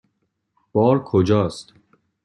بار کجاست؟